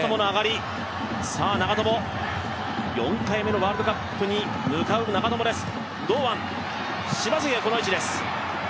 ４回目のワールドカップに向かう長友です。